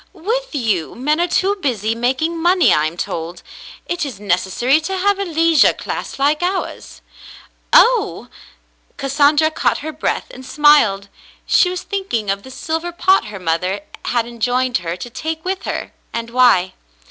"With you, men are too busy making money, I am told. It is necessary to have a leisure class like ours." "Oh!" Cassandra caught her breath and smiled. She was thinking of the silver pot her mother had enjoined her to take with her, and why.